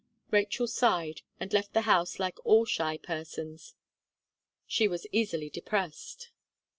Rachel sighed and left the house like all shy persons, she was easily depressed.